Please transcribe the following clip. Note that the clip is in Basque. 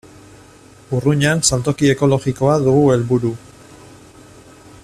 Urruñan saltoki ekologikoa dugu helburu.